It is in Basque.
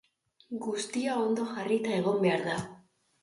Guztia ondo jarrita egon behar da.